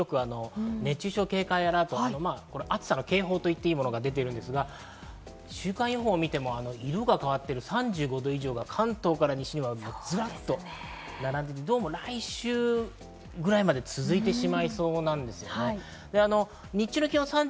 今日も関東から九州、広く熱中症警戒アラートが出ているんですが週間予報を見ても色が変わって、３５度以上が関東から西には、ずらっと並んでどうも来週ぐらいまで続いてしまいそうなんです。